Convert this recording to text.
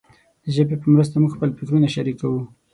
د ژبې په مرسته موږ خپل فکرونه شریکوو.